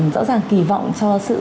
rõ ràng kỳ vọng cho sự